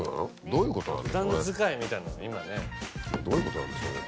どういうことなんでしょうね？